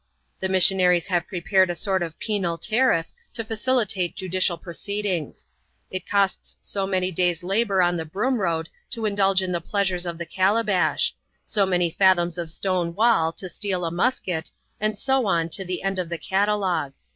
The missionaries have prepared a sort of penal tariff to facilitate judicial proceedings. It costs so many days' labour on the Broom Road to indulge in the pleasures of the calabash; so many fathoms of stone wall to steal a musket ; and so on to the end of the catalogue.